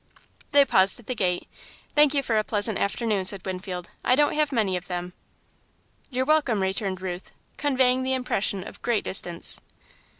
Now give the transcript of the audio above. They paused at the gate. "Thank you for a pleasant afternoon," said Winfield. "I don't have many of them." "You're welcome," returned Ruth, conveying the impression of great distance.